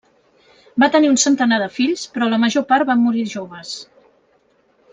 Va tenir un centenar de fills però la major part van morir joves.